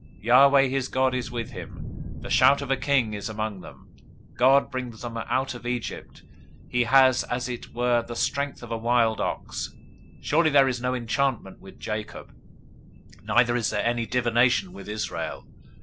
Yahweh his God is with him. The shout of a king is among them. 023:022 God brings them out of Egypt. He has as it were the strength of the wild ox. 023:023 Surely there is no enchantment with Jacob; Neither is there any divination with Israel.